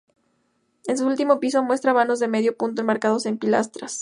En su último piso, muestra vanos de medio punto enmarcados en pilastras.